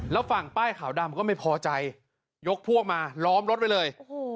แล้วฝั่งป้ายขาวดำก็ไม่พอใจยกพวกมาล้อมรถไว้เลย